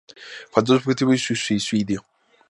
Faltó su objetivo y su suicidio.